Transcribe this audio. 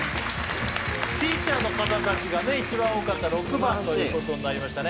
ティーチャーの方たちがね一番多かった６番ということになりましたね